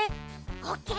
オッケー！